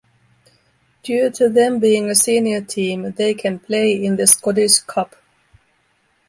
Due to them being a senior team, they can play in the Scottish Cup.